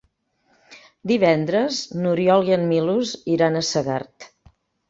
Divendres n'Oriol i en Milos iran a Segart.